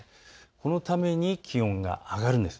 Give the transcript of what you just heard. このため気温が上がるんです。